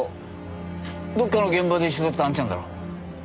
どっかの現場で一緒だったあんちゃんだろ？